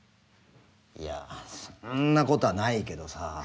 いやそんなことはないけどさ。